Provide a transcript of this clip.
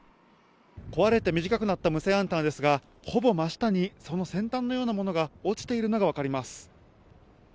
壊れて短くなった無線アンテナですがほぼ真下にその先端のようなものが落ちているのが分かります。